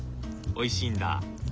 おいしいんだ？